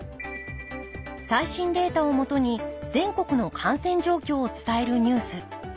最新データをもとに全国の感染状況を伝えるニュース。